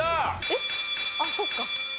えっあっそうか。